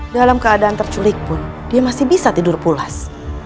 dalam keadaan terculik pun dia masih bisa tidur pulas